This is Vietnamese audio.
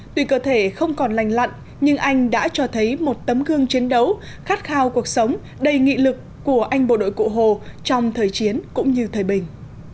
tuy cơ thể không còn lành lặn nhưng anh đã cho thấy một tấm gương chiến đấu khát khao cuộc sống đầy nghị lực của anh bộ đội cụ hồ trong thời chiến cũng như thời bình